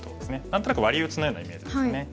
何となくワリ打ちのようなイメージですね。